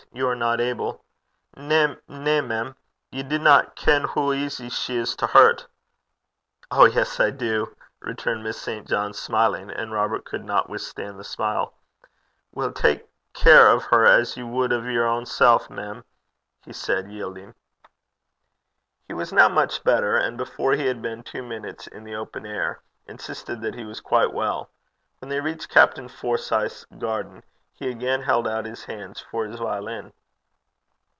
You are not able.' 'Na, na, mem. Ye dinna ken hoo easy she is to hurt.' 'Oh, yes, I do!' returned Miss St. John, smiling, and Robert could not withstand the smile. 'Weel, tak care o' her, as ye wad o' yer ain sel', mem,' he said, yielding. He was now much better, and before he had been two minutes in the open air, insisted that he was quite well. When they reached Captain Forsyth's garden he again held out his hands for his violin.